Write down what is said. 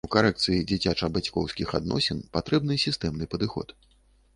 У карэкцыі дзіцяча-бацькоўскіх адносін патрэбны сістэмны падыход.